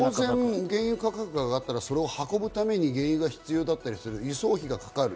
原油価格が上がったら、それを運ぶために原油が必要だったり、輸送費がかかる。